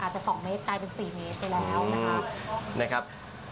อาจจะ๒เมตรกลายเป็น๔เมตรไปแล้ว